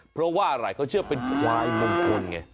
เพราะว่าอะไรเขาเชื่อเป็นควายมงคลไง